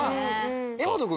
柄本君